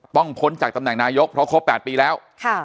พ้นจากตำแหน่งนายกเพราะครบ๘ปีแล้ว